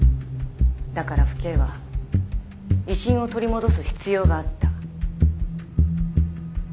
だから府警は威信を取り戻す必要があった。